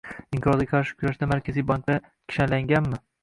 Inqirozga qarshi kurashda markaziy banklar "kishanlanganmi"?